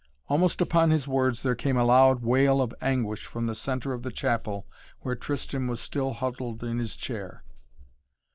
Almost upon his words there came a loud wail of anguish from the centre of the chapel where Tristan was still huddled in his chair.